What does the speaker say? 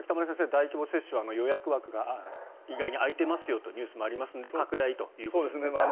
大規模接種は予約枠が意外に空いていますよというニュースもありますので拡大ということですね。